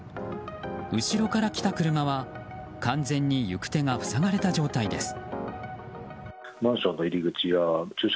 後ろから来た車は完全に行く手が塞がれた状態です。